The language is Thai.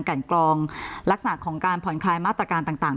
กันกรองลักษณะของการผ่อนคลายมาตรการต่าง